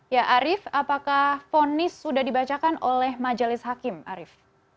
ya arief apakah ponis sudah dibacakan oleh majelis hakim arief